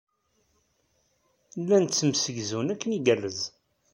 Llan ttemsegzun akken igerrez.